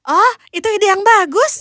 oh itu ide yang bagus